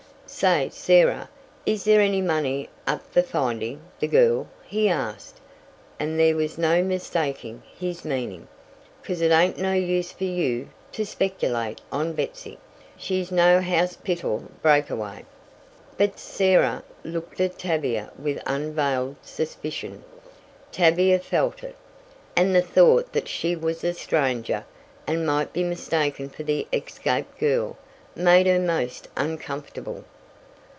"Say, Sarah. Is there any money up fer findin' the girl?" he asked, and there was no mistaking his meaning. "'Cause it ain't no use fer you to speculate on Betsy. She's no house pital breakaway." But Sarah looked at Tavia with unveiled suspicion. Tavia felt it and the thought that she was a stranger, and might be mistaken for the escaped girl, made her most uncomfortable.